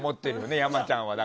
山ちゃんは。